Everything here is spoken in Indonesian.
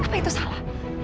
apa itu salah